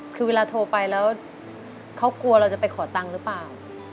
คือเวลาโทรไปแล้วเขากลัวเราจะไปขอตังค์หรือเปล่า